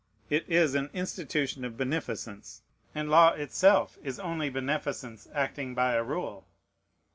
It is an institution of beneficence; and law itself is only beneficence acting by a rule.